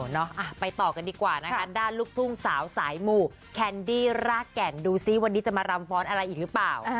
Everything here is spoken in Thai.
เนาะไปต่อกันดีกว่านะคะด้านลูกทุ่งสาวสายหมู่แคนดี้รากแก่นดูซิวันนี้จะมารำฟ้อนอะไรอีกหรือเปล่า